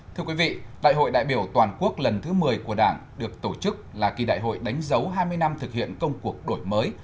thưa quý vị đại hội đại biểu toàn quốc lần thứ một mươi của đảng được tổ chức là kỳ đại hội đánh dấu hai mươi năm thực hiện công cuộc đổi mới